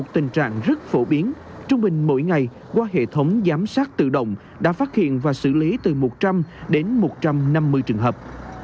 thổ biến trung bình mỗi ngày qua hệ thống giám sát tự động đã phát hiện và xử lý từ một trăm linh đến một trăm năm mươi trường hợp